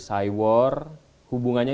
side war hubungannya